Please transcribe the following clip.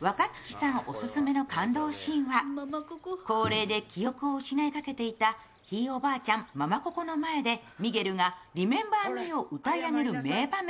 若槻さんおすすめの感動シーンは高齢で記憶を失いかけていたひいおばあちゃん、ママ・ココの前でミゲルが「リメンバー・ミー」を歌い上げる名場面。